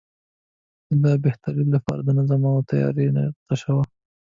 د لا بهترۍ لپاره د نظم او تیارۍ تشه وه.